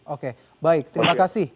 oke baik terima kasih